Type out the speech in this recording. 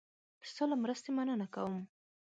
ستا له مرستې مننه کوم.